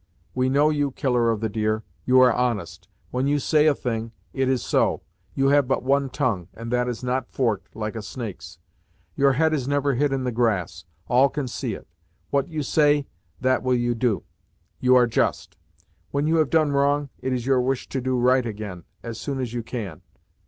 We know you, Killer of the Deer. You are honest; when you say a thing, it is so. You have but one tongue, and that is not forked, like a snake's. Your head is never hid in the grass; all can see it. What you say, that will you do. You are just. When you have done wrong, it is your wish to do right, again, as soon as you can.